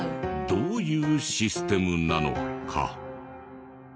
どういうシステムなのか。